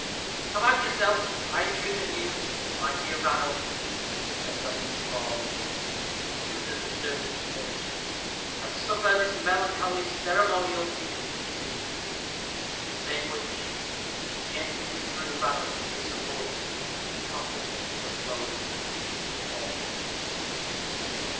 "Command yourself, I entreat of you, my dear Sir Ranulph," said Dr. Small, as soon as the service was finished, "and suffer this melancholy ceremonial to be completed." Saying which, he gently withdrew Ranulph from his support, and the coffin was lowered into the vault.